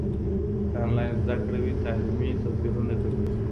که انلاین زده کړه وي، تعلیمي توپیرونه کمېږي.